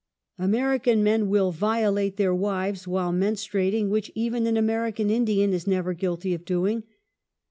American men will violate their wives while men struating, which even an American Indian is never \ guilty of doing.